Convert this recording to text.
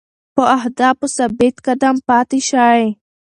په اهدافو ثابت قدم پاتې شئ.